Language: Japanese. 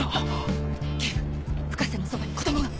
警部深瀬のそばに子供が！